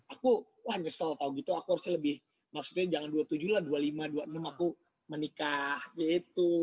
aku wah nyesel tau gitu aku harusnya lebih maksudnya jangan dua puluh tujuh lah dua puluh lima dua puluh enam aku menikah gitu